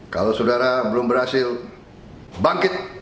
kalau saudara belum berhasil bangkit